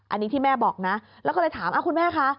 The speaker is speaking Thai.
อันนี้ที่แม่บอกนะแล้วก็เลยถามคุณแม่คะ